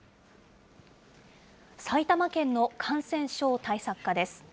埼玉県の感染症対策課です。